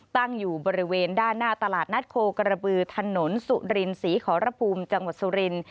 ตั้งอยู่บริเวณด้านหน้าตลาดนัดโคกระบือถนนสุรินศรีขอรภูมิจังหวัดสุรินทร์